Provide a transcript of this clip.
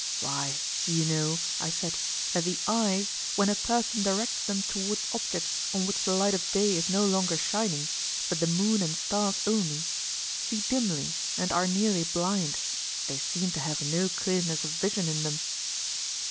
Why, you know, I said, that the eyes, when a person directs them towards objects on which the light of day is no longer shining, but the moon and stars only, see dimly, and are nearly blind; they seem to have no clearness of vision in them?